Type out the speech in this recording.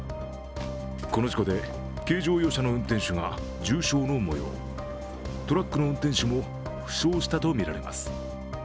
この事故で軽乗用車の運転手が重傷のもよう、トラックの運転手も負傷したとみられます。